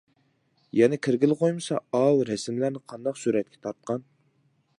يەنە كىرگىلى قويمىسا ئاۋۇ رەسىملەرنى قانداق سۈرەتكە تارتقان؟ .